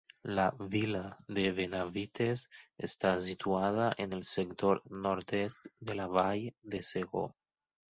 La vila de Benavites està situada en el sector nord-est de la Vall de Segó.